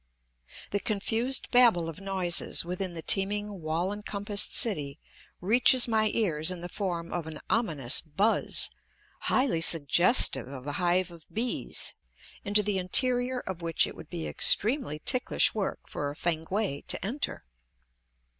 The confused babel of noises within the teeming wall encompassed city reaches my ears in the form of an "ominous buzz," highly suggestive of a hive of bees, into the interior of which it would be extremely ticklish work for a Fankwae to enter.